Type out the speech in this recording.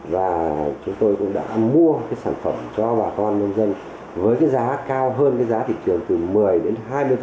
và chúng tôi cũng đã mua sản phẩm cho bà con nông dân với giá cao hơn giá thị trường từ một mươi đến hai mươi